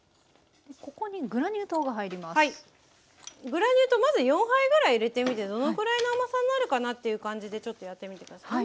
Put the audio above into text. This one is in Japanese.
グラニュー糖まず４杯ぐらい入れてみてどのぐらいの甘さになるかなっていう感じでちょっとやってみて下さい。